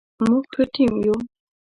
موږ ښه ټیم یو